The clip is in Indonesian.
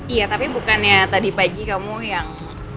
iya tapi bukannya tadi pagi kamu yang